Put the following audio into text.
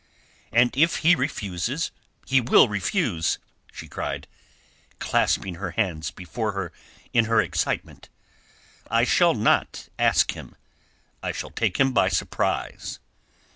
"And if he refuses? He will refuse!" she cried, clasping her hands before her in her excitement. "I shall not ask him. I shall take him by surprise."